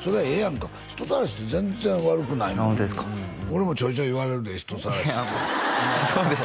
そりゃええやんか人たらしって全然悪くないもん俺もちょいちょい言われるで人たらしってそうでしょうね